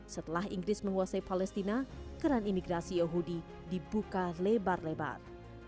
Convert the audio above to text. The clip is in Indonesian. setelah inggris menguasai palestina keran imigrasi yahudi dibuka lebar lebar